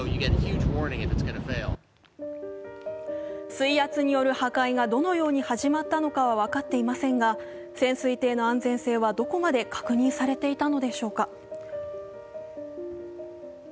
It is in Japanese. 水圧による破壊がどのように始まったのかは分かっていませんが、潜水艇の安全性はどこまで確認されていたのでしょうか。